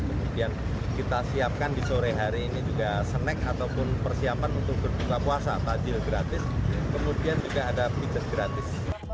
kemudian kita siapkan di sore hari ini juga snack ataupun persiapan untuk berbuka puasa takjil gratis kemudian juga ada pijat gratis